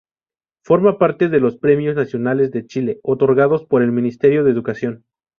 Forma parte de los Premios Nacionales de Chile otorgados por el Ministerio de Educación.